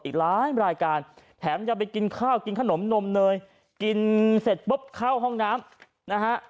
อีกหลายรายการแถมยังไปกินข้าวกินขนมนมเนยกินเสร็จปุ๊บเข้าห้องน้ำนะฮะ